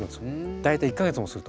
大体１か月もすると。